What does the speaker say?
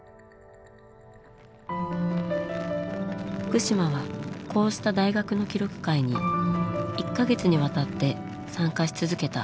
福島はこうした大学の記録会に１か月にわたって参加し続けた。